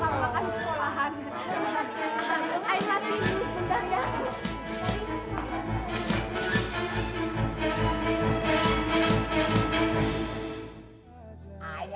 aku nangkas nangkas ini juga ada